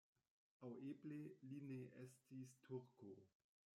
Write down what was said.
Aŭ eble li ne estis turko.